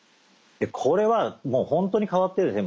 これはもうほんとに変わってるんですね。